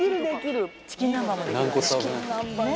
チキン南蛮もできるわね。